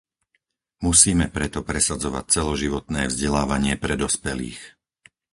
Musíme preto presadzovať celoživotné vzdelávanie pre dospelých.